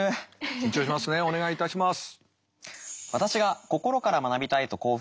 緊張しますねお願いいたします。